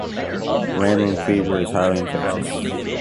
Ramblin’ fever is highly infectious.